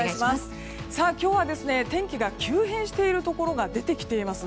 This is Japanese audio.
今日は天気が急変しているところが出てきています。